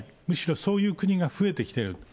むしろそういう国が増えてきている。